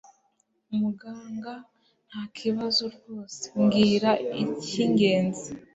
Muganga ntakibazo rwose mbwira icyingenzi